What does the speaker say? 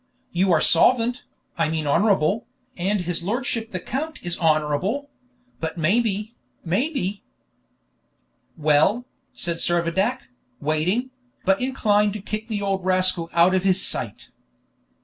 You are solvent I mean honorable, and his lordship the count is honorable; but maybe maybe " "Well?" said Servadac, waiting, but inclined to kick the old rascal out of his sight.